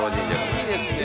いいですね